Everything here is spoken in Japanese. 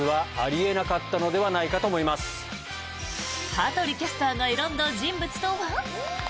羽鳥キャスターが選んだ人物とは？